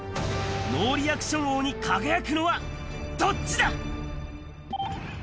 ノーリアクション王に輝くのはどっちだ？